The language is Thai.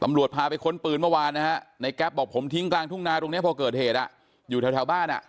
พาไปค้นปืนเมื่อวานนะฮะในแก๊ปบอกผมทิ้งกลางทุ่งนาตรงนี้พอเกิดเหตุอยู่แถวบ้านอ่ะ